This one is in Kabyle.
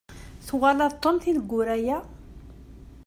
Twalaḍ Tom tineggura-ya?